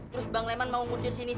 terus bang leman mau ngusir sini